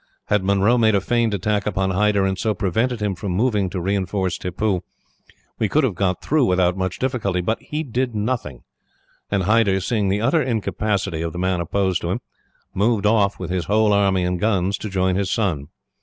Had Munro made a feigned attack upon Hyder, and so prevented him from moving to reinforce Tippoo, we could have got through without much difficulty. But he did nothing; and Hyder, seeing the utter incapacity of the man opposed to him, moved off with his whole army and guns to join his son.